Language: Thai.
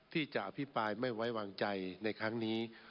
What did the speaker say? ที่จะอภิปรายไม่ไว้วางใจในครั้งนี้